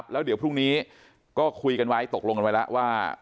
แล้วเดี๋ยวพรุ่งนี้ก็คุยกันไว้ตกลงกันไว้แล้วว่า